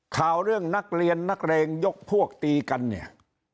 ข่าวเรื่องนักเรียนนักเลงยกพวกตีกันเนี่ย